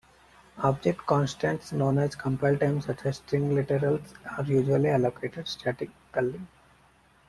Object constants known at compile-time, such as string literals, are usually allocated statically.